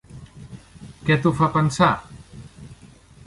Què t'ho fa pensar?